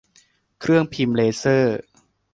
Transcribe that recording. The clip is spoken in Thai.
เครื่องพิมพ์เลเซอร์